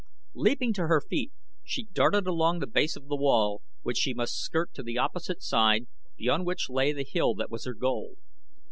Leaping to her feet she darted along the base of the wall which she must skirt to the opposite side, beyond which lay the hill that was her goal.